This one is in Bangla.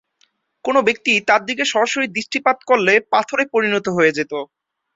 কোনো ব্যক্তি তার দিকে সরাসরি দৃষ্টিপাত করলে পাথরে পরিণত হয়ে যেতো।